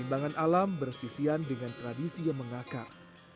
kembangan alam bersisian dengan tradisi yang mengakar